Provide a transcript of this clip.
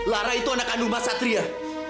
lara itu anak kandung mas satria